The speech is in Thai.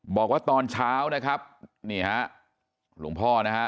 บอกว่าตอนเช้านะครับนี่ฮะหลวงพ่อนะฮะ